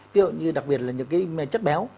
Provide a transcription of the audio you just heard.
ví dụ như đặc biệt là những cái chất béo